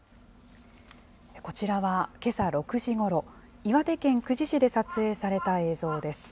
こちらはけさ６時ごろ、岩手県久慈市で撮影された映像です。